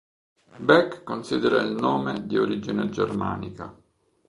Beck considera il nome di origine germanica.